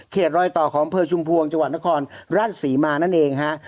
รอยต่อของอำเภอชุมพวงจังหวัดนครราชศรีมานั่นเองฮะ